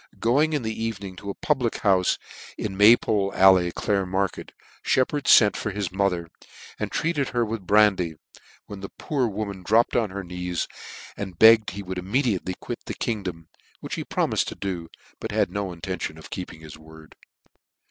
Going in the evening to a pubiic houfe in May pole Alley, Clare market, Shep pard fent for his mother, and treated her with brandy, when the poor woman dropped on her knees, and begged he would immediately quit the kingdom, which he promifed to do, but had no intention of keeping his word.